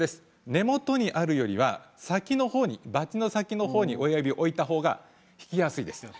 根元にあるよりは先のほうにバチの先のほうに親指を置いたほうが弾きやすくなります。